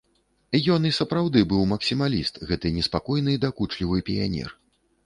Ён і сапраўды быў максімаліст, гэты неспакойны, дакучлівы піянер.